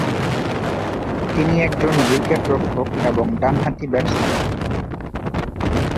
তিনি একজন উইকেট-রক্ষক এবং ডানহাতি ব্যাটসম্যান।